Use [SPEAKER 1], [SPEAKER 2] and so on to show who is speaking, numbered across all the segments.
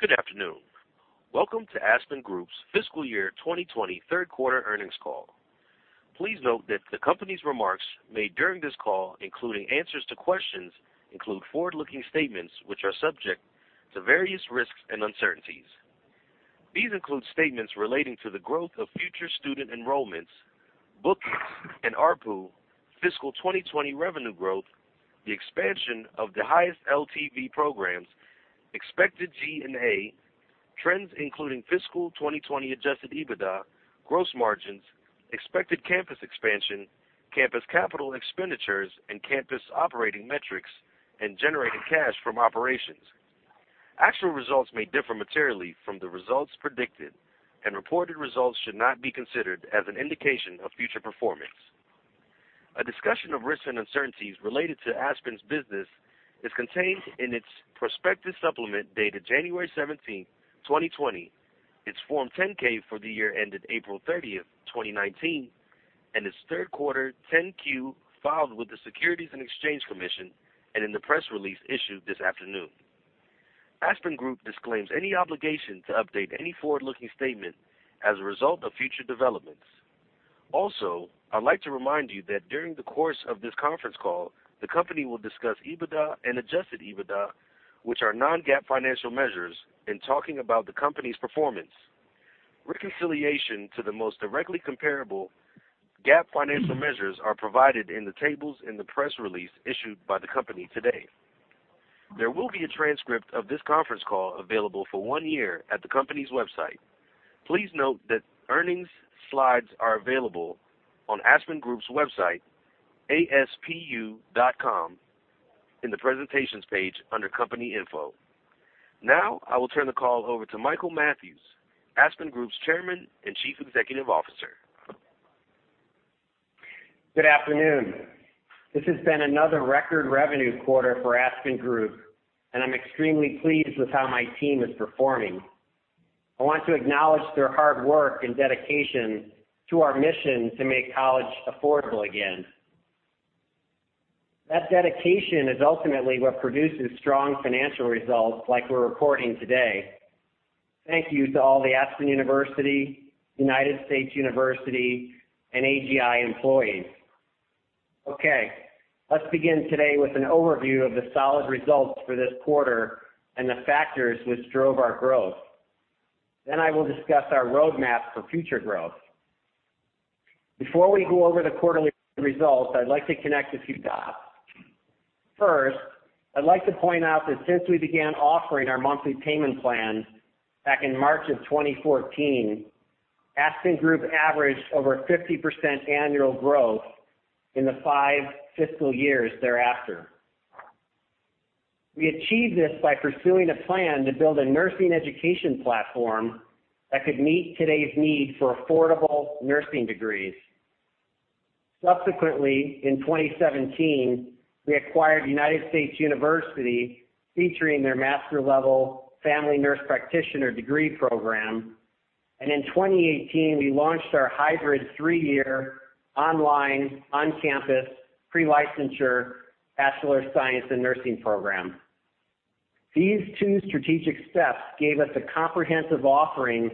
[SPEAKER 1] Good afternoon. Welcome to Aspen Group's fiscal year 2020 third quarter earnings call. Please note that the company's remarks made during this call, including answers to questions, include forward-looking statements which are subject to various risks and uncertainties. These include statements relating to the growth of future student enrollments, bookings, and ARPU; fiscal 2020 revenue growth, the expansion of the highest LTV programs, expected G&A, trends including fiscal 2020 adjusted EBITDA, gross margins, expected campus expansion, campus capital expenditures, and campus operating metrics, and generated cash from operations. Actual results may differ materially from the results predicted, and reported results should not be considered as an indication of future performance. A discussion of risks and uncertainties related to Aspen's business is contained in its prospectus supplement dated January 17th, 2020, its Form 10-K for the year ended April 30th, 2019, and its third quarter 10-Q filed with the Securities and Exchange Commission, and in the press release issued this afternoon. Aspen Group disclaims any obligation to update any forward-looking statement as a result of future developments. Also, I'd like to remind you that during the course of this conference call, the company will discuss EBITDA and adjusted EBITDA, which are non-GAAP financial measures, in talking about the company's performance. Reconciliation to the most directly comparable GAAP financial measures are provided in the tables in the press release issued by the company today. There will be a transcript of this conference call available for one year at the company's website. Please note that earnings slides are available on Aspen Group's website, aspu.com, in the presentations page under company info. Now, I will turn the call over to Michael Mathews, Aspen Group's Chairman and Chief Executive Officer.
[SPEAKER 2] Good afternoon. This has been another record revenue quarter for Aspen Group, and I'm extremely pleased with how my team is performing. I want to acknowledge their hard work and dedication to our mission to make college affordable again. That dedication is ultimately what produces strong financial results like we're reporting today. Thank you to all the Aspen University, United States University, and AGI employees. Okay. Let's begin today with an overview of the solid results for this quarter and the factors that drove our growth. I will discuss our roadmap for future growth. Before we go over the quarterly results, I'd like to connect a few dots. First, I'd like to point out that since we began offering our monthly payment plan back in March of 2014, Aspen Group averaged over 50% annual growth in the five fiscal years thereafter. We achieved this by pursuing a plan to build a nursing education platform that could meet today's need for affordable nursing degrees. Subsequently, in 2017, we acquired U.S. University, featuring their Master-level Family Nurse Practitioner degree program. In 2018, we launched our hybrid three-year online, on-campus pre-licensure Bachelor of Science in Nursing program. These two strategic steps gave us a comprehensive offering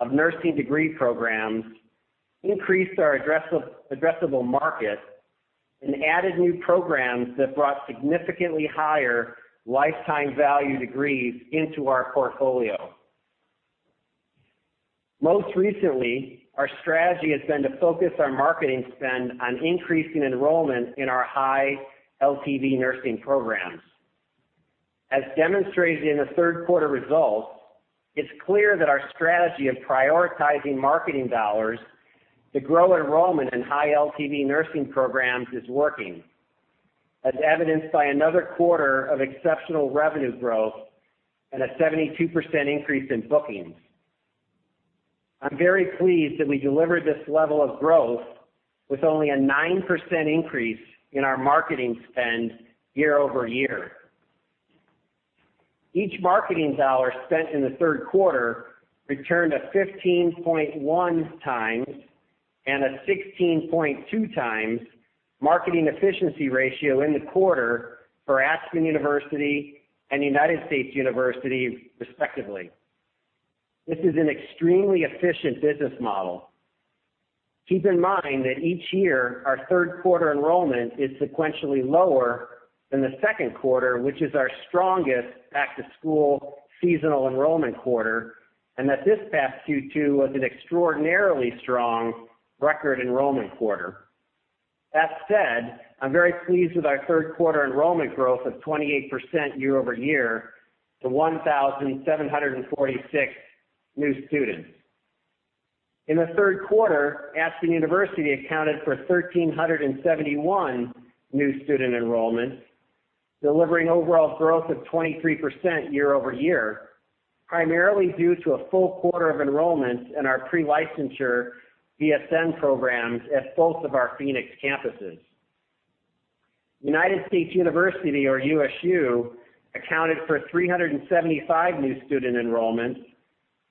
[SPEAKER 2] of nursing degree programs, increased our addressable market, and added new programs that brought significantly higher lifetime value degrees into our portfolio. Most recently, our strategy has been to focus our marketing spend on increasing enrollment in our high LTV nursing programs. As demonstrated in the third quarter results, it's clear that our strategy of prioritizing marketing dollars to grow enrollment in high LTV nursing programs is working, as evidenced by another quarter of exceptional revenue growth and a 72% increase in bookings. I'm very pleased that we delivered this level of growth with only a 9% increase in our marketing spend year-over-year. Each marketing dollar spent in the third quarter returned a 15.1x and a 16.2x marketing efficiency ratio in the quarter for Aspen University and the U.S. University, respectively. This is an extremely efficient business model. Keep in mind that each year, our third quarter enrollment is sequentially lower than the second quarter, which is our strongest back-to-school seasonal enrollment quarter, and that this past Q2 was an extraordinarily strong record enrollment quarter. That said, I'm very pleased with our third quarter enrollment growth of 28% year-over-year to 1,746 new students. In the third quarter, Aspen University accounted for 1,371 new student enrollments, delivering overall growth of 23% year-over-year, primarily due to a full quarter of enrollment in our pre-licensure BSN programs at both of our Phoenix campuses. United States University, or USU, accounted for 375 new student enrollments,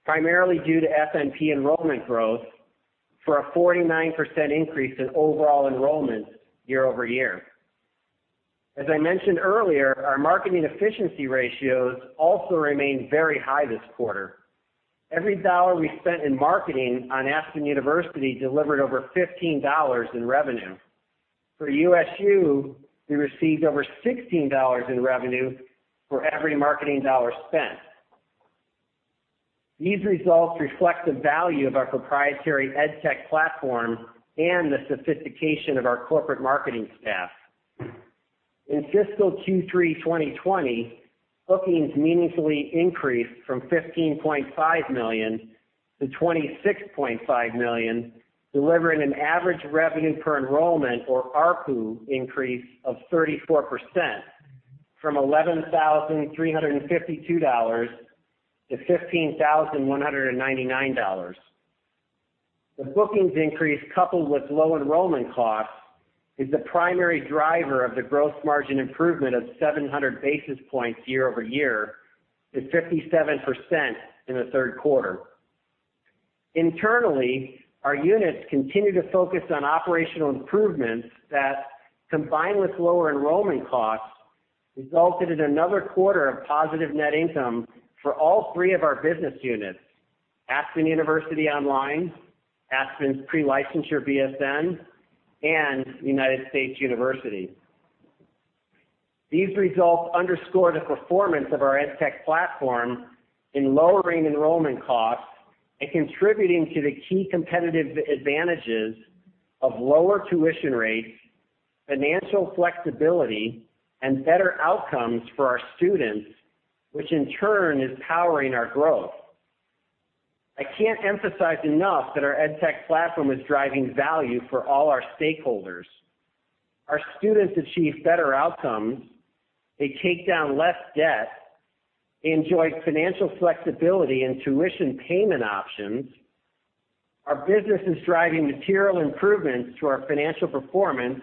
[SPEAKER 2] primarily due to FNP enrollment growth, for a 49% increase in overall enrollment year-over-year. As I mentioned earlier, our marketing efficiency ratios also remained very high this quarter. Every dollar we spent in marketing on Aspen University delivered over $15 in revenue. For USU, we received over $16 in revenue for every marketing dollar spent. These results reflect the value of our proprietary EdTech platform and the sophistication of our corporate marketing staff. In fiscal Q3 2020, bookings meaningfully increased from $15.5 million to $26.5 million, delivering an average revenue per enrollment or ARPU increase of 34% from $11,352-$15,199. The bookings increase, coupled with low enrollment costs, is the primary driver of the gross margin improvement of 700 basis points year-over-year to 57% in the third quarter. Internally, our units continue to focus on operational improvements that, combined with lower enrollment costs, resulted in another quarter of positive net income for all three of our business units, Aspen University Online, Aspen's Pre-Licensure BSN, and United States University. These results underscore the performance of our EdTech platform in lowering enrollment costs and contributing to the key competitive advantages of lower tuition rates, financial flexibility, and better outcomes for our students, which in turn is powering our growth. I can't emphasize enough that our EdTech platform is driving value for all our stakeholders. Our students achieve better outcomes. They take down less debt. They enjoy financial flexibility and tuition payment options. Our business is driving material improvements to our financial performance,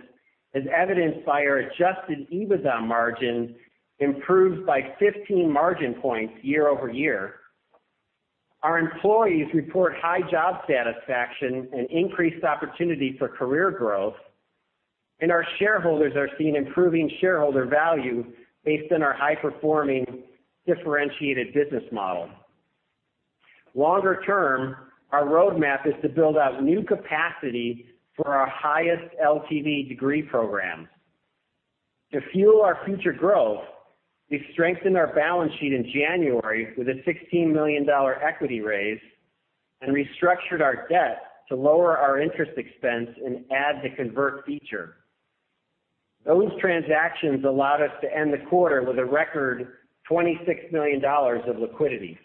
[SPEAKER 2] as evidenced by our adjusted EBITDA margin, improved by 15 margin points year-over-year. Our employees report high job satisfaction and increased opportunity for career growth, and our shareholders are seeing improving shareholder value based on our high-performing, differentiated business model. Longer term, our roadmap is to build out new capacity for our highest LTV degree programs. To fuel our future growth, we've strengthened our balance sheet in January with a $16 million equity raise and restructured our debt to lower our interest expense and add the convert feature. Those transactions allowed us to end the quarter with a record $26 million of liquidity.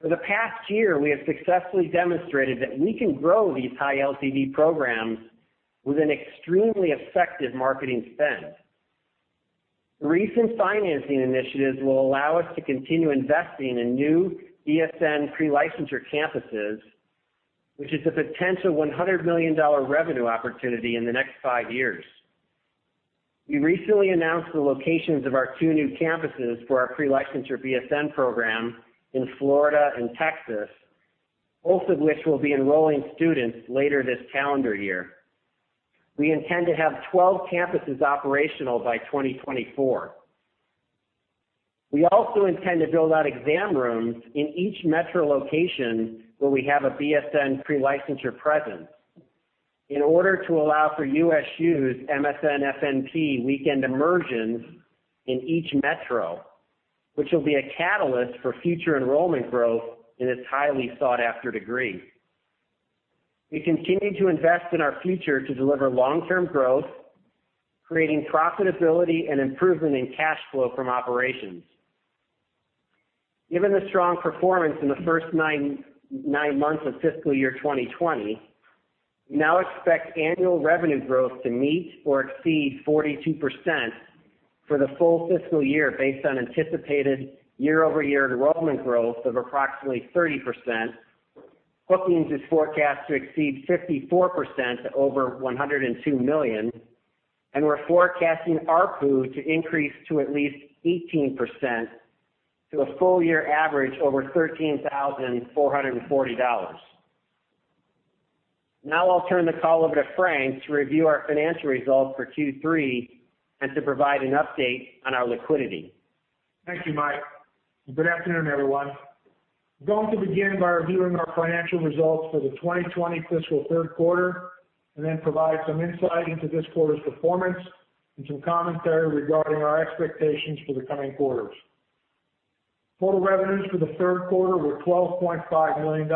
[SPEAKER 2] For the past year, we have successfully demonstrated that we can grow these high LTV programs with an extremely effective marketing spend. The recent financing initiatives will allow us to continue investing in new BSN pre-licensure campuses, which is a potential $100 million revenue opportunity in the next five years. We recently announced the locations of our two new campuses for our pre-licensure BSN program in Florida and Texas, both of which will be enrolling students later this calendar year. We intend to have 12 campuses operational by 2024. We also intend to build out exam rooms in each metro location where we have a BSN pre-licensure presence in order to allow for USU's MSN-FNP weekend immersions in each metro, which will be a catalyst for future enrollment growth in this highly sought-after degree. We continue to invest in our future to deliver long-term growth, creating profitability and improvement in cash flow from operations. Given the strong performance in the first nine months of fiscal year 2020, we now expect annual revenue growth to meet or exceed 42% for the full fiscal year based on anticipated year-over-year enrollment growth of approximately 30%. Bookings are forecast to exceed 54% to over $102 million, and we're forecasting ARPU to increase to at least 18% to a full-year average over $13,440. Now I'll turn the call over to Frank to review our financial results for Q3 and to provide an update on our liquidity.
[SPEAKER 3] Thank you, Mike. Good afternoon, everyone. I'm going to begin by reviewing our financial results for the 2020 fiscal third quarter and then provide some insight into this quarter's performance and some commentary regarding our expectations for the coming quarters. Total revenues for the third quarter were $12.5 million,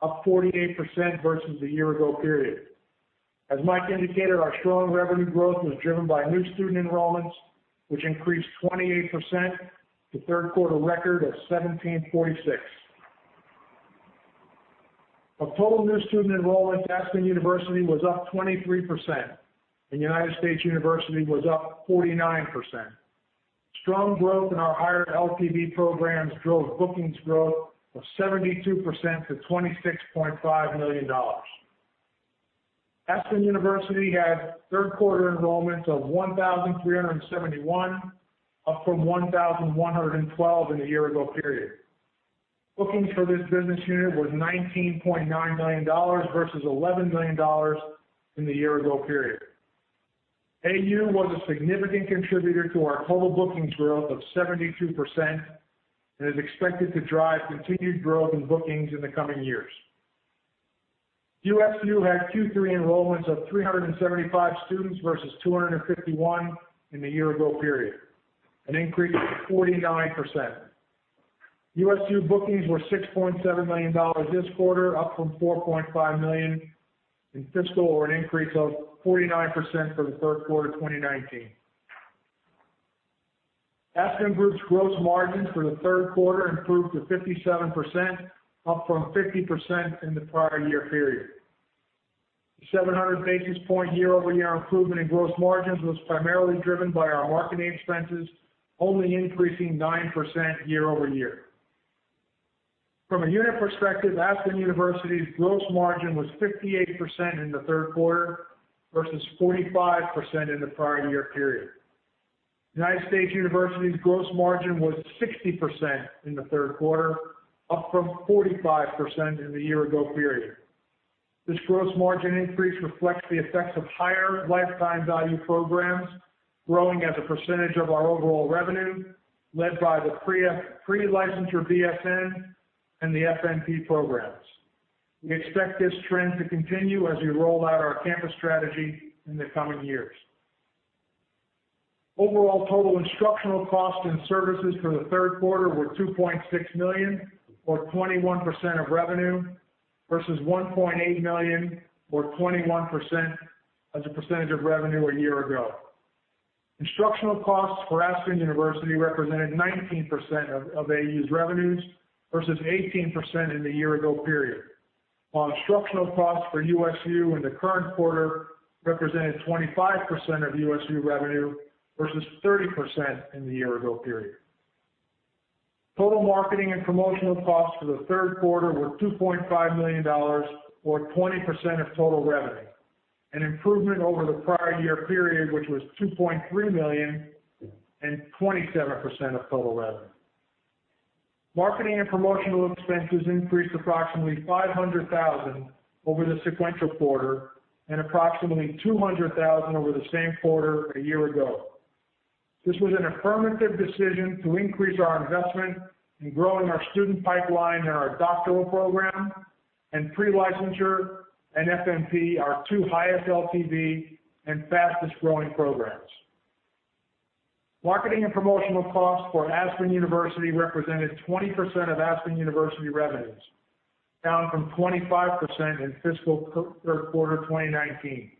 [SPEAKER 3] up 48% versus the year ago period. As Mike indicated, our strong revenue growth was driven by new student enrollments, which increased 28% to a third-quarter record of 1,746. Our total new student enrollment at Aspen University was up 23%, and United States University was up 49%. Strong growth in our higher LTV programs drove bookings growth of 72% to $26.5 million. Aspen University had third-quarter enrollments of 1,371, up from 1,112 in the year-ago period. Bookings for this business unit were $19.9 million versus $11 million in the year-ago period. AU was a significant contributor to our total bookings growth of 72% and is expected to drive continued growth in bookings in the coming years. USU had Q3 enrollments of 375 students, versus 251 in the year ago period, an increase of 49%. USU bookings were $6.7 million this quarter, up from $4.5 million in fiscal, an increase of 49% for the third quarter of 2019. Aspen Group's gross margins for the third quarter improved to 57%, up from 50% in the prior year period. The 700 basis point year-over-year improvement in gross margins was primarily driven by our marketing expenses only increasing 9% year-over-year. From a unit perspective, Aspen University's gross margin was 58% in the third quarter versus 45% in the prior-year period. United States University's gross margin was 60% in the third quarter, up from 45% in the year ago period. This gross margin increase reflects the effects of higher lifetime value programs growing as a percentage of our overall revenue, led by the pre-licensure BSN and the FNP programs. We expect this trend to continue as we roll out our campus strategy in the coming years. Overall total instructional costs and services for the third quarter were $2.6 million, or 21% of revenue, versus $1.8 million, or 21% as a percentage of revenue, a year ago. Instructional costs for Aspen University represented 19% of AU's revenues, versus 18% in the year-ago period. While instructional costs for USU in the current quarter represented 25% of USU revenue, versus 30% in the year-ago period. Total marketing and promotional costs for the third quarter were $2.5 million, or 20% of total revenue, an improvement over the prior-year period, which was $2.3 million and 27% of total revenue. Marketing and promotional expenses increased approximately $500,000 over the sequential quarter and approximately $200,000 over the same quarter a year ago. This was an affirmative decision to increase our investment in growing our student pipeline in our doctoral program and pre-licensure and FNP, our two highest LTV and fastest-growing programs. Marketing and promotional costs for Aspen University represented 20% of Aspen University revenues, down from 25% in fiscal third quarter 2019.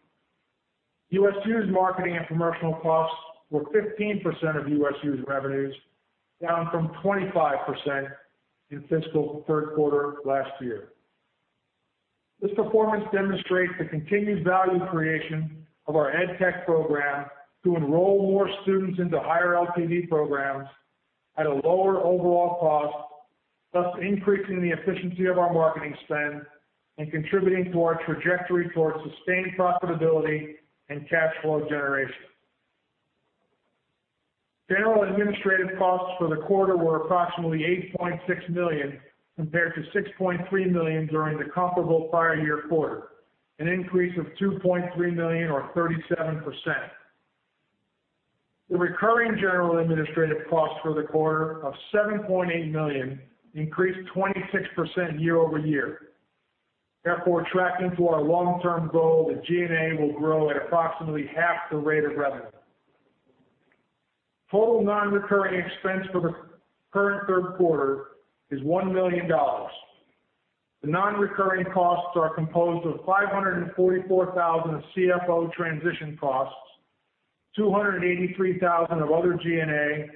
[SPEAKER 3] USU's marketing and promotional costs were 15% of USU's revenues, down from 25% in the fiscal third quarter last year. This performance demonstrates the continued value creation of our EdTech program to enroll more students into higher LTV programs at a lower overall cost, thus increasing the efficiency of our marketing spend and contributing to our trajectory towards sustained profitability and cash flow generation. General and administrative costs for the quarter were approximately $8.6 million, compared to $6.3 million during the comparable prior year quarter, an increase of $2.3 million or 37%. The recurring general administrative costs for the quarter of $7.8 million increased 26% year-over-year. Therefore, tracking our long-term goal that G&A will grow at approximately half the rate of revenue. Total non-recurring expense for the current third quarter is $1 million. The non-recurring costs are composed of $544,000 of CFO transition costs, $283,000 of other G&A,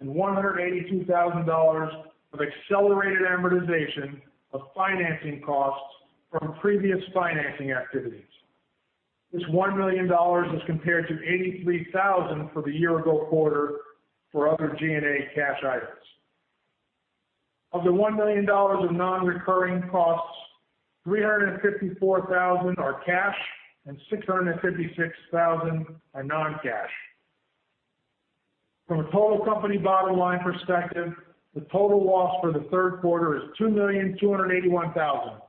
[SPEAKER 3] and $182,000 of accelerated amortization of financing costs from previous financing activities. This $1 million is compared to $83,000 for the year ago quarter for other G&A cash items. Of the $1 million of non-recurring costs, $354,000 is cash and $656,000 is non-cash. From a total company bottom line perspective, the total loss for the third quarter is $2,281,000,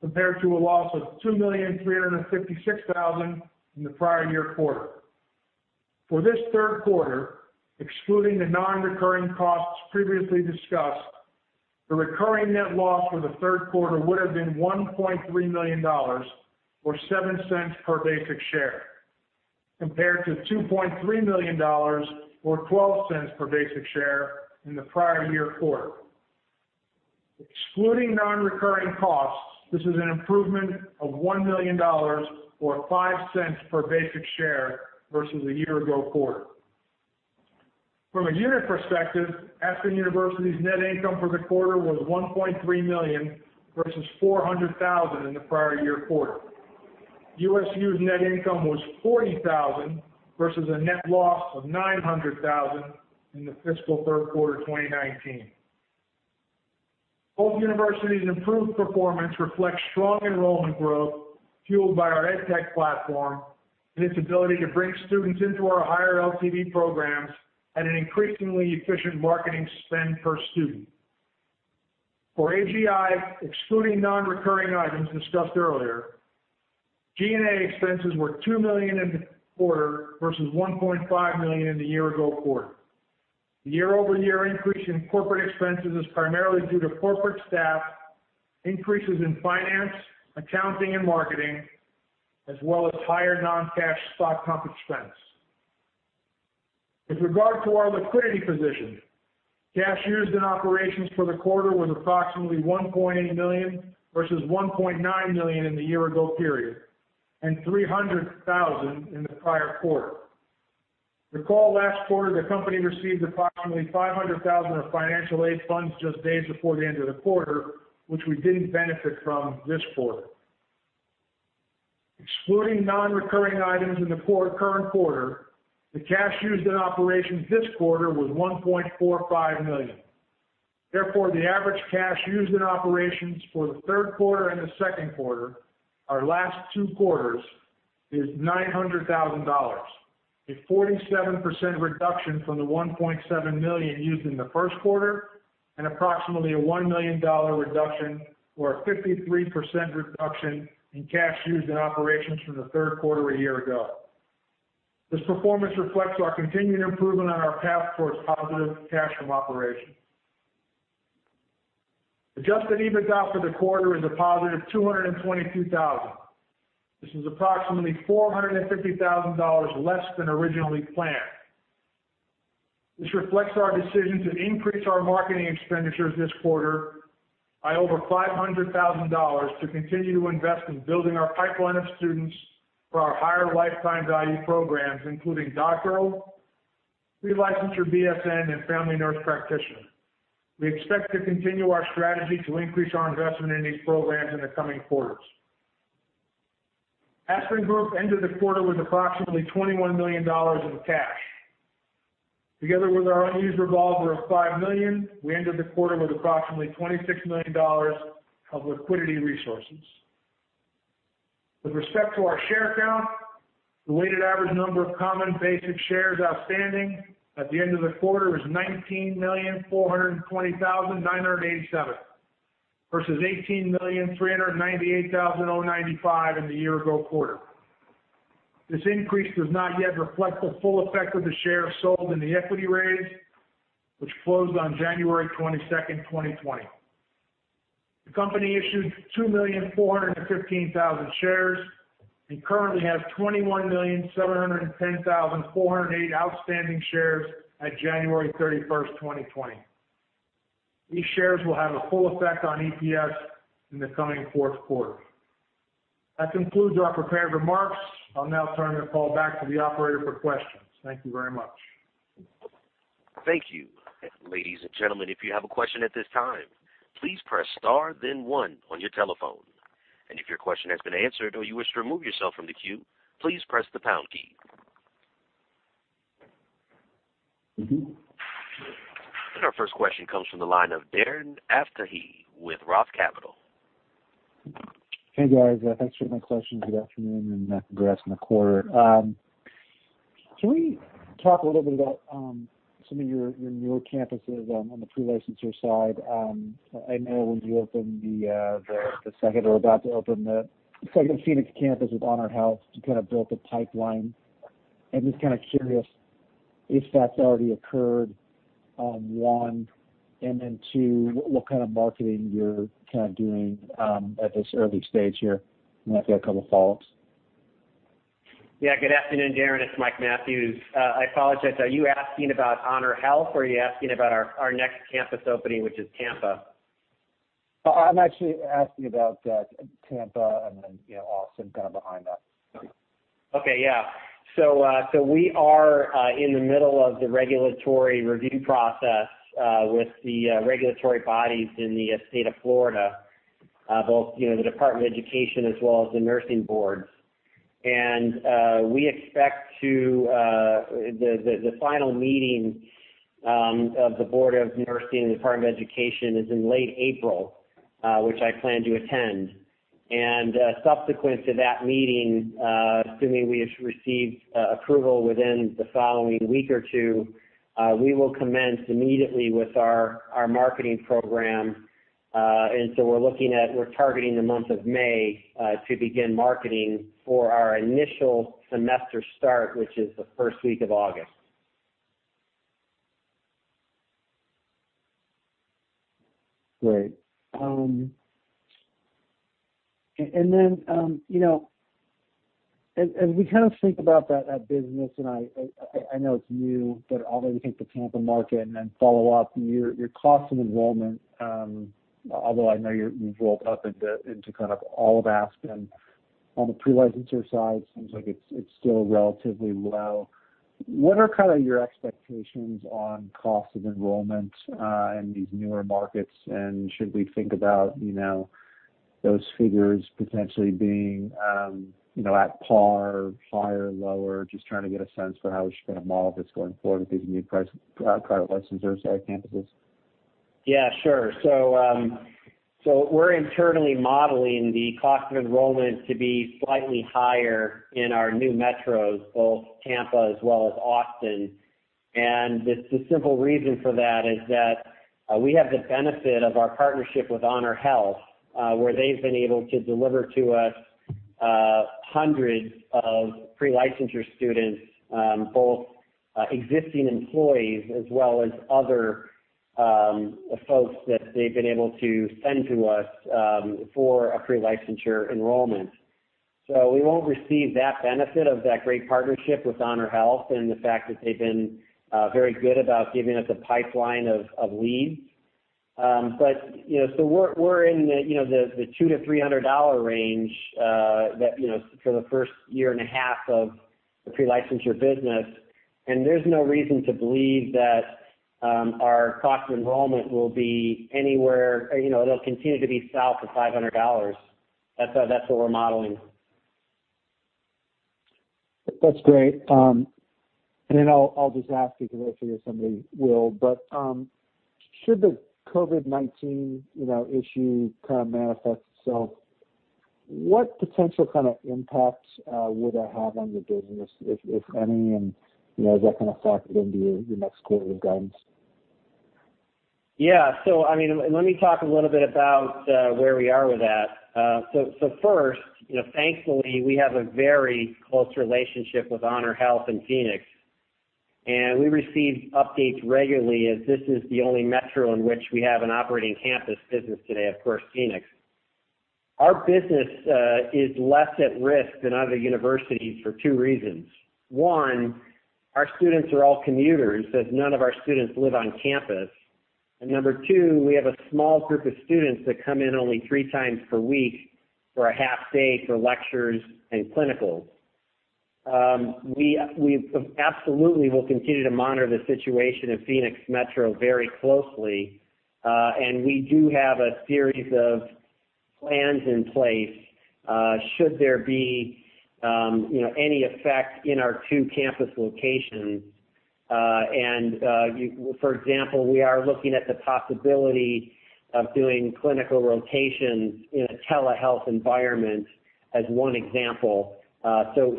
[SPEAKER 3] compared to a loss of $2,356,000 in the prior-year quarter. For this third quarter, excluding the non-recurring costs previously discussed, the recurring net loss for the third quarter would have been $1.3 million, or $0.07 per basic share, compared to $2.3 million, or $0.12 per basic share, in the prior year quarter. Excluding non-recurring costs, this is an improvement of $1 million, or $0.05 per basic share, versus the year-ago quarter. From a unit perspective, Aspen University's net income for the quarter was $1.3 million versus $400,000 in the prior-year quarter. USU's net income was $40,000 versus a net loss of $900,000 in the fiscal third quarter 2019. Both universities' improved performance reflects strong enrollment growth Fueled by our EdTech platform and its ability to bring students into our higher LTV programs at an increasingly efficient marketing spend per student. For AGI, excluding non-recurring items discussed earlier, G&A expenses were $2 million in the quarter versus $1.5 million in the year-ago quarter. The year-over-year increase in corporate expenses is primarily due to corporate staff increases in finance, accounting, and marketing, as well as higher non-cash stock comp expense. With regard to our liquidity position, cash used in operations for the quarter was approximately $1.8 million versus $1.9 million in the year-ago period and $300,000 in the prior quarter. Recall last quarter, the company received approximately $500,000 of financial aid funds just days before the end of the quarter, which we didn't benefit from this quarter. Excluding non-recurring items in the current quarter, the cash used in operations this quarter was $1.45 million. The average cash used in operations for the third quarter and the second quarter, our last two quarters, is $900,000, a 47% reduction from the $1.7 million used in the first quarter and approximately a $1 million reduction, or a 53% reduction, in cash used in operations from the third quarter a year ago. This performance reflects our continued improvement on our path towards positive cash from operations. Adjusted EBITDA for the quarter is a positive $222,000. This is approximately $450,000 less than originally planned. This reflects our decision to increase our marketing expenditures this quarter by over $500,000 to continue to invest in building our pipeline of students for our higher lifetime value programs, including DocGrow, pre-licensure BSN, and Family Nurse Practitioner. We expect to continue our strategy to increase our investment in these programs in the coming quarters. Aspen Group ended the quarter with approximately $21 million in cash. Together with our unused revolver of $5 million, we ended the quarter with approximately $26 million of liquidity resources. With respect to our share count, the weighted average number of common basic shares outstanding at the end of the quarter was 19,420,987, versus 18,398,095 in the year-ago quarter. This increase does not yet reflect the full effect of the shares sold in the equity raise, which closed on January 22nd, 2020. The company issued 2,415,000 shares and currently has 21,710,408 outstanding shares as of January 31st, 2020. These shares will have a full effect on EPS in the coming fourth quarter. That concludes our prepared remarks. I'll now turn the call back to the operator for questions. Thank you very much.
[SPEAKER 1] Thank you. Ladies and gentlemen, if you have a question at this time, please press star then one on your telephone. If your question has been answered or you wish to remove yourself from the queue, please press the pound key. Our first question comes from the line of Darren Aftahi with Roth Capital.
[SPEAKER 4] Hey, guys. Thanks for my question. Good afternoon. Congrats on the quarter. Can we talk a little bit about some of your newer campuses on the pre-licensure side? I know when you opened the second, or are about to open the second, Phoenix campus with HonorHealth to build a pipeline. I'm just curious if that's already occurred, one. Two, what kind of marketing are you doing at this early stage here? I've got a couple of follow-ups.
[SPEAKER 2] Good afternoon, Darren; it's Michael Mathews. I apologize, are you asking about HonorHealth, or are you asking about our next campus opening, which is Tampa?
[SPEAKER 4] I'm actually asking about Tampa and then Austin behind that.
[SPEAKER 2] Okay. Yeah. We are in the middle of the regulatory review process with the regulatory bodies in the state of Florida, both the Department of Education and the Board of Nursing. The final meeting of the Board of Nursing and the Department of Education is in late April, which I plan to attend. Subsequent to that meeting, assuming we receive approval within the following week or two, we will commence immediately with our marketing program. We're targeting the month of May to begin marketing for our initial semester start, which is the first week of August.
[SPEAKER 4] Great. As we think about that business, and I know it's new, but although we think the Tampa market and then follow up your cost of enrollment, although I know you've rolled up into all of Aspen on the pre-licensure side, seems like it's still relatively low. What are your expectations on cost of enrollment in these newer markets, and should we think about those figures potentially being at par, higher, or lower? Just trying to get a sense for how we should model this going forward with these new pre-licensure students at campuses.
[SPEAKER 2] Yeah, sure. We're internally modeling the cost of enrollment to be slightly higher in our new metros, including both Tampa and Austin. The simple reason for that is that we have the benefit of our partnership with HonorHealth, where they've been able to deliver to us hundreds of pre-licensure students, both existing employees and other folks that they've been able to send to us for pre-licensure enrollment. We won't receive that benefit of that great partnership with HonorHealth and the fact that they've been very good about giving us a pipeline of leads. We're in the $200-$300 range for the first year and a half of the pre-licensure business, and there's no reason to believe that our cost of enrollment will be. It'll continue to be south of $500. That's what we're modeling.
[SPEAKER 4] That's great. I'll just ask because I figure somebody will. Should the COVID-19 issue manifest itself, what potential kind of impacts would that have on the business, if any, and is that going to factor into your next quarter guidance?
[SPEAKER 2] Yeah. Let me talk a little bit about where we are with that. First, thankfully, we have a very close relationship with HonorHealth in Phoenix, and we receive updates regularly, as this is the only metro in which we have an operating campus business today, of course: Phoenix. Our business is less at risk than other universities for two reasons. One, our students are all commuters, as none of our students live on campus. Number two, we have a small group of students that come in only three times per week for a half-day for lectures and clinicals. We absolutely will continue to monitor the situation in Phoenix Metro very closely. We do have a series of plans in place should there be any effect on our two campus locations. For example, we are looking at the possibility of doing clinical rotations in a telehealth environment as one example.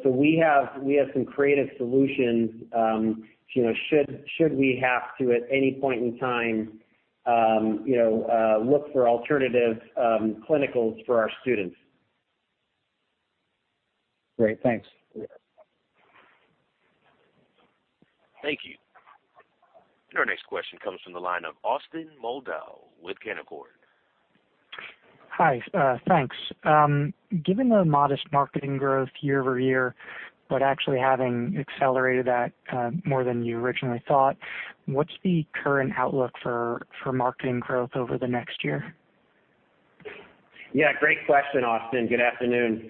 [SPEAKER 2] We have some creative solutions should we have to, at any point in time, look for alternative clinicals for our students.
[SPEAKER 4] Great, thanks.
[SPEAKER 2] Yeah.
[SPEAKER 1] Thank you. Our next question comes from the line of Austin Moldow with Canaccord.
[SPEAKER 5] Hi, thanks. Given the modest marketing growth year-over-year, but actually having accelerated that more than you originally thought, what's the current outlook for marketing growth over the next year?
[SPEAKER 2] Yeah, great question, Austin. Good afternoon.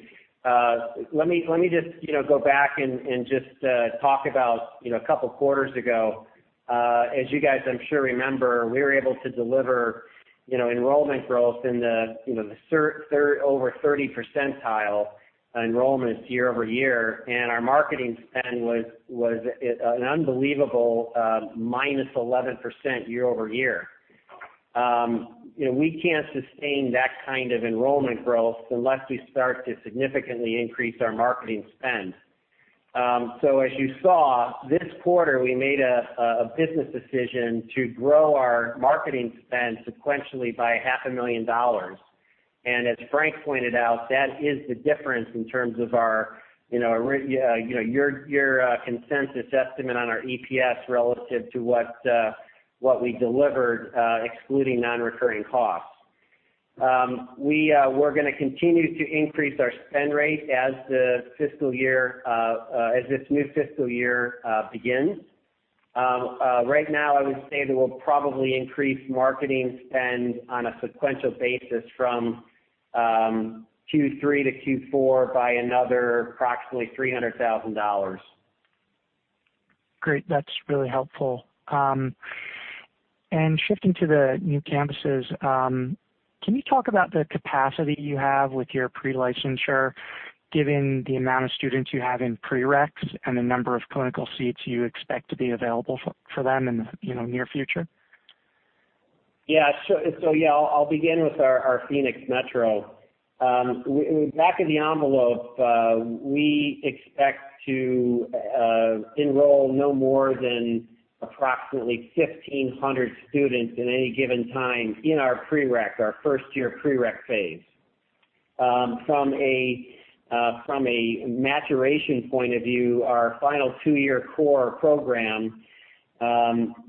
[SPEAKER 2] Let me just go back and just talk about a couple of quarters ago. As you guys, I'm sure remember, we were able to deliver enrollment growth in the over 30th percentile enrollments year-over-year; our marketing spend was an unbelievable -11% year-over-year. We can't sustain that kind of enrollment growth unless we start to significantly increase our marketing spend. As you saw this quarter, we made a business decision to grow our marketing spend sequentially by half a million dollars, and as Frank pointed out, that is the difference in terms of your consensus estimate on our EPS relative to what we delivered excluding non-recurring costs. We're gonna continue to increase our spend rate as this new fiscal year begins. Right now, I would say that we'll probably increase marketing spend on a sequential basis from Q3-Q4 by another approximately $300,000.
[SPEAKER 5] Great. That's really helpful. Shifting to the new campuses, can you talk about the capacity you have with your pre-licensure, given the number of students you have in prerequisites and the number of clinical seats you expect to be available for them in the near future?
[SPEAKER 2] Yeah. I'll begin with our Phoenix Metro. Back of the envelope, we expect to enroll no more than approximately 1,500 students at any given time in our pre-req, our first-year pre-req phase. From a maturation point of view, in our final two-year CORE program,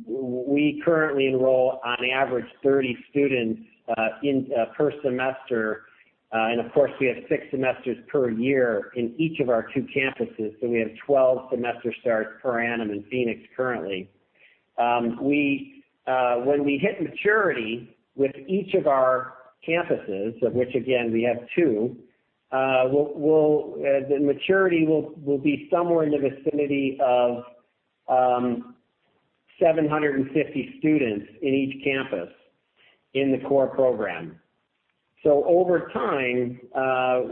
[SPEAKER 2] we currently enroll an average of 30 students per semester. Of course, we have six semesters per year on each of our two campuses; we have 12 semester starts per annum in Phoenix currently. When we hit maturity with each of our campuses, of which, again, we have two, the maturity will be somewhere in the vicinity of 750 students on each campus in the CORE program. Over time,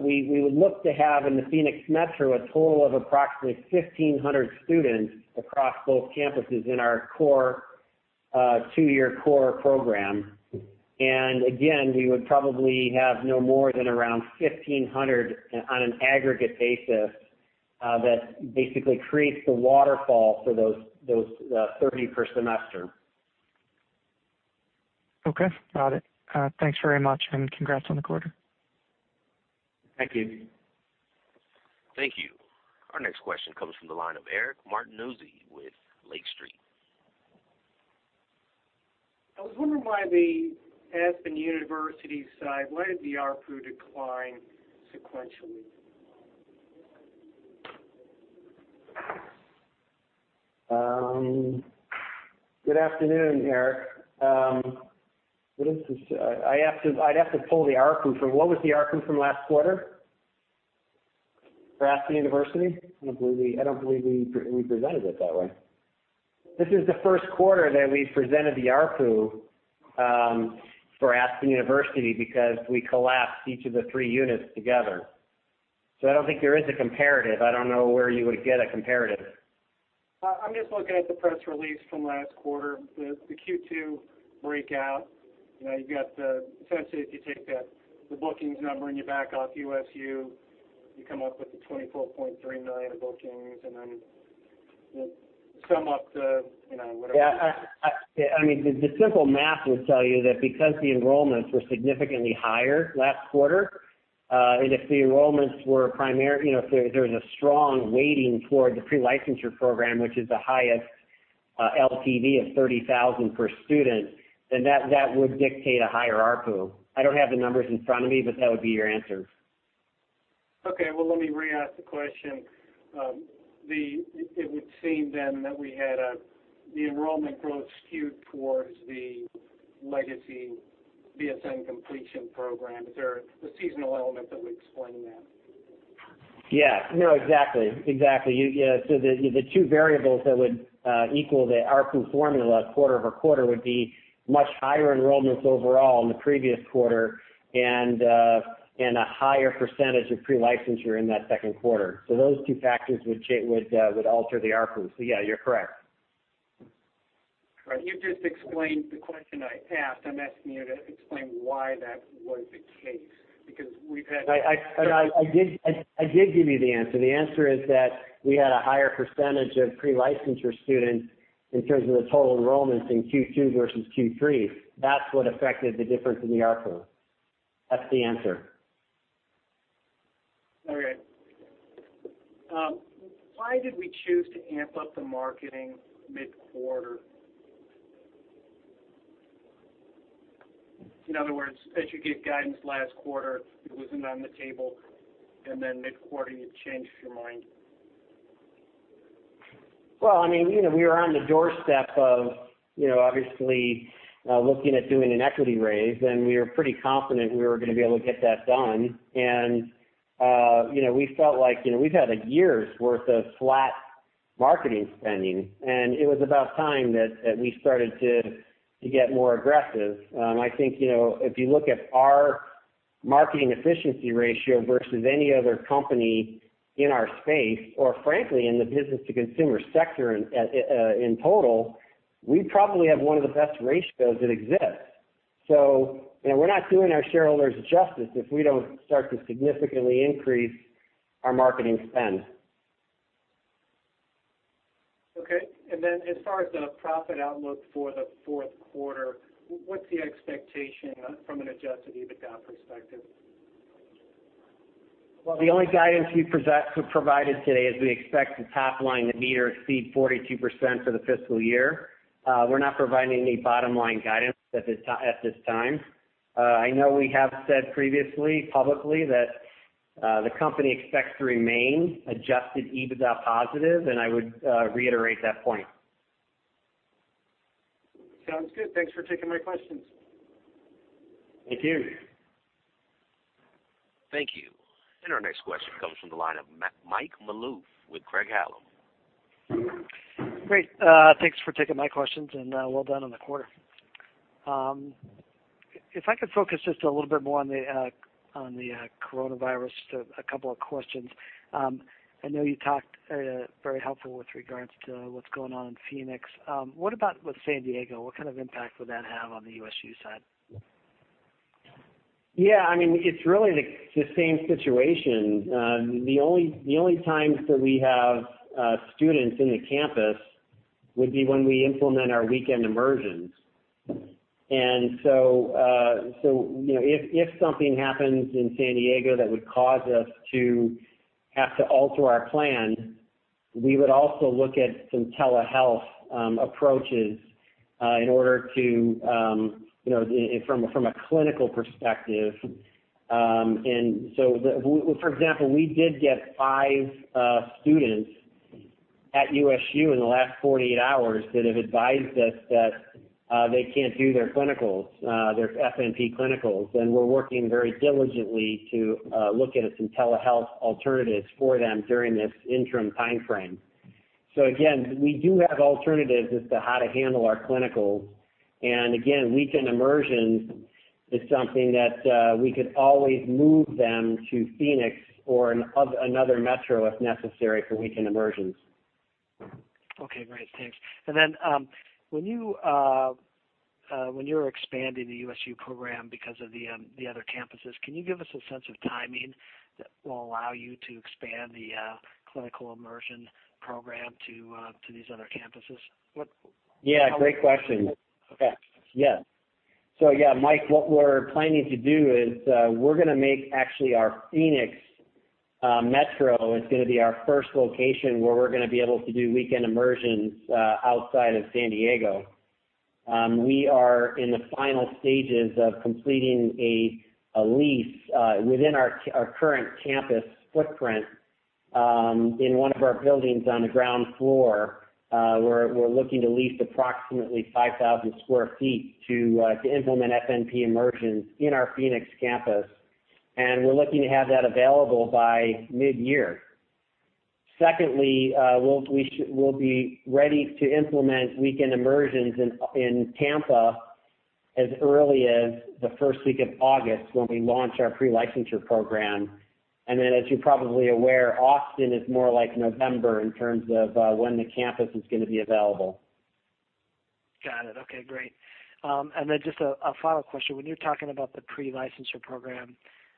[SPEAKER 2] we would look to have, in the Phoenix Metro, a total of approximately 1,500 students across both campuses in our two-year CORE program. Again, we would probably have no more than around 1,500 on an aggregate basis; that basically creates the waterfall for those 30 per semester.
[SPEAKER 5] Okay, got it. Thanks very much, and congrats on the quarter.
[SPEAKER 2] Thank you.
[SPEAKER 1] Thank you. Our next question comes from the line of Eric Martinuzzi with Lake Street.
[SPEAKER 6] I was wondering why on the Aspen University side, the ARPU declined sequentially.
[SPEAKER 2] Good afternoon, Eric. I'd have to pull the ARPU. What was the ARPU from last quarter for Aspen University?
[SPEAKER 3] I don't believe we presented it that way.
[SPEAKER 2] This is the first quarter that we've presented the ARPU for Aspen University because we collapsed each of the three units together. I don't think there is a comparative. I don't know where you would get a comparative.
[SPEAKER 6] I'm just looking at the press release from last quarter, the Q2 breakout. Essentially, if you take the bookings number and you back off USU, you come up with $24.3 million in bookings?
[SPEAKER 2] Yeah. The simple math would tell you that because the enrollments were significantly higher last quarter, if there's a strong weighting toward the pre-licensure program, which is the highest LTV of $30,000 per student, then that would dictate a higher ARPU. I don't have the numbers in front of me; that would be your answer.
[SPEAKER 6] Okay. Well, let me re-ask the question. It would seem then that we had the enrollment growth skewed towards the legacy BSN completion program. Is there a seasonal element that would explain that?
[SPEAKER 2] Yeah. No, exactly. The two variables that would equal the ARPU formula quarter-over-quarter would be much higher enrollments overall in the previous quarter and a higher percentage of pre-licensure in that second quarter. Those two factors would alter the ARPU. Yeah, you're correct.
[SPEAKER 6] Right. You've just explained the question I asked. I'm asking you to explain why that was the case.
[SPEAKER 2] I did give you the answer. The answer is that we had a higher percentage of pre-licensure students in terms of the total enrollments in Q2 versus Q3. That is what affected the difference in the ARPU. That is the answer.
[SPEAKER 6] All right. Why did we choose to amp up the marketing mid-quarter? In other words, as you gave guidance last quarter, it wasn't on the table, and then mid-quarter you changed your mind.
[SPEAKER 2] Well, we were on the doorstep of, obviously, looking at doing an equity raise, and we were pretty confident we were going to be able to get that done. We felt like we'd had a year's worth of flat marketing spending, and it was about time that we started to get more aggressive. I think, if you look at our marketing efficiency ratio versus any other company in our space, or frankly, in the business-to-consumer sector in total, we probably have one of the best ratios that exists. We're not doing our shareholders justice if we don't start to significantly increase our marketing spend.
[SPEAKER 6] Okay. As far as the profit outlook for the fourth quarter, what's the expectation from an adjusted EBITDA perspective?
[SPEAKER 2] Well, the only guidance we've provided today is we expect the top line to near exceed 42% for the fiscal year. We're not providing any bottom-line guidance at this time. I know we have said previously, publicly, that the company expects to remain adjusted EBITDA positive. I would reiterate that point.
[SPEAKER 6] Sounds good. Thanks for taking my questions.
[SPEAKER 2] Thank you.
[SPEAKER 1] Thank you. Our next question comes from the line of Mike Malouf with Craig-Hallum.
[SPEAKER 7] Great. Thanks for taking my questions. Well done on the quarter. If I could focus just a little bit more on the coronavirus, just a couple of questions. I know you talked very helpfully with regard to what's going on in Phoenix. What about San Diego? What kind of impact would that have on the USU side?
[SPEAKER 2] Yeah, it's really the same situation. The only times that we have students in the campus would be when we implement our weekend immersions. If something happens in San Diego that would cause us to have to alter our plan, we would also look at some telehealth approaches in order to, from a clinical perspective. For example, we did get five students at USU in the last 48 hours that have advised us that they can't do their FNP clinicals, and we're working very diligently to look at some telehealth alternatives for them during this interim timeframe. Again, we do have alternatives as to how to handle our clinicals. Again, weekend immersion is something that we could always move them to Phoenix or another metro to if necessary for weekend immersions.
[SPEAKER 7] Okay, great. Thanks. When you're expanding the USU program because of the other campuses, can you give us a sense of timing that will allow you to expand the clinical immersion program to these other campuses?
[SPEAKER 2] Yeah, great question.
[SPEAKER 7] Okay.
[SPEAKER 2] Yeah, Mike, what we're planning to do is we're going to make our Phoenix metro our first location where we're going to be able to do weekend immersions outside of San Diego. We are in the final stages of completing a lease, within our current campus footprint, in one of our buildings on the ground floor. We're looking to lease approximately 5,000 sq ft to implement FNP immersion in our Phoenix campus. We're looking to have that available by mid-year. Secondly, we'll be ready to implement weekend immersions in Tampa as early as the first week of August when we launch our pre-licensure program. As you're probably aware, Austin is more like November in terms of when the campus is going to be available.
[SPEAKER 7] Got it. Okay, great. Just a final question. When you're talking about the pre-licensure program,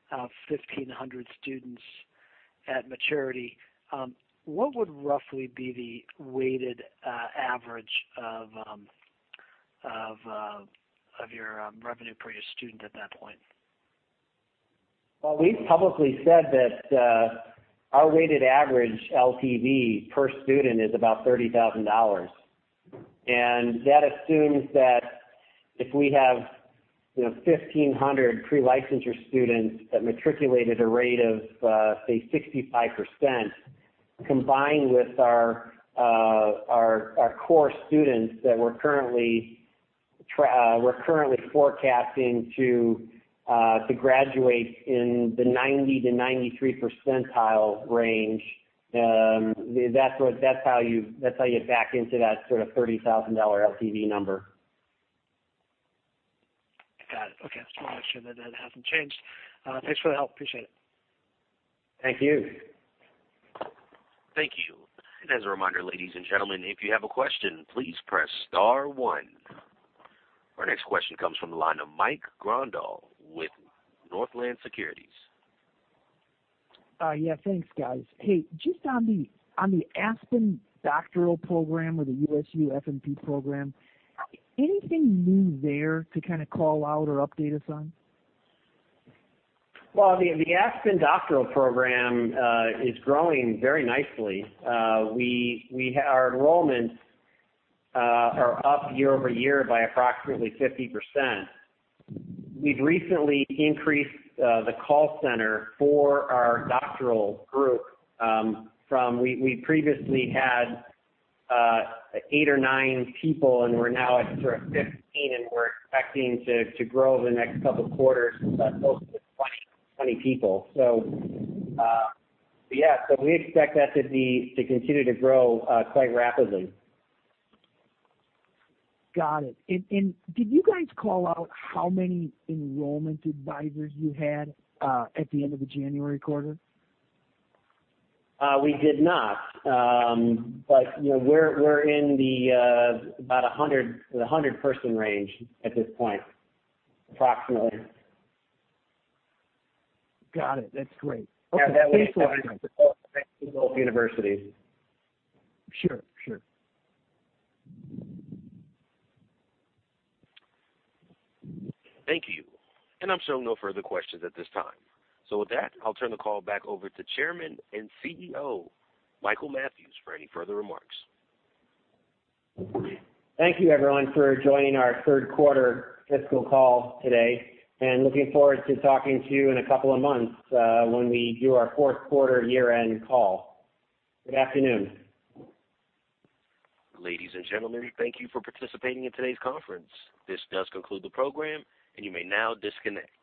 [SPEAKER 7] 1,500 students at maturity, what would roughly be the weighted average of your revenue per your student at that point?
[SPEAKER 2] Well, we've publicly said that our weighted average LTV per student is about $30,000. That assumes that if we have 1,500 pre-licensure students that matriculated at a rate of, say, 65%, combined with our core students that we're currently forecasting to graduate in the 90%-93% percentile range, that's how you back into that sort of $30,000 LTV number.
[SPEAKER 7] Got it. Okay. I just want to make sure that that hasn't changed. Thanks for the help. Appreciate it.
[SPEAKER 2] Thank you.
[SPEAKER 1] Thank you. As a reminder, ladies and gentlemen, if you have a question, please press star one. Our next question comes from the line of Mike Grondahl with Northland Securities.
[SPEAKER 8] Yeah, thanks, guys. Hey, just on the Aspen doctoral program or the USU FNP program, is there anything new there to kind of call out or update us on?
[SPEAKER 2] Well, the Aspen doctoral program is growing very nicely. Our enrollments are up year-over-year by approximately 50%. We've recently increased the call center for our Doctoral group. We previously had eight or nine people, and we're now at sort of 15, and we're expecting to grow in the next couple of quarters, close to 20 people. Yeah. We expect that to continue to grow quite rapidly.
[SPEAKER 8] Got it. Did you guys call out how many enrollment advisors you had at the end of the January quarter?
[SPEAKER 2] We did not. We're in the about 100 person range at this point, approximately.
[SPEAKER 8] Got it. That's great. Okay, thanks for the time.
[SPEAKER 2] both universities.
[SPEAKER 8] Sure. Sure.
[SPEAKER 1] Thank you. I'm showing no further questions at this time. With that, I'll turn the call back over to Chairman and CEO, Michael Mathews, for any further remarks.
[SPEAKER 2] Thank you, everyone, for joining our third quarter fiscal call today, and looking forward to talking to you in a couple of months, when we do our fourth quarter year-end call. Good afternoon.
[SPEAKER 1] Ladies and gentlemen, thank you for participating in today's conference. This does conclude the program, and you may now disconnect.